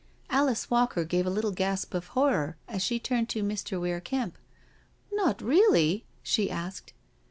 Alice Walker gave a little gasp of horror as she turned to Mr. Weir Kemp— " Not really?" she asked.